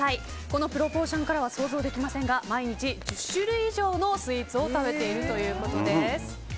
このプロポーションからは想像できませんが毎日、１０種類以上のスイーツを食べているということです。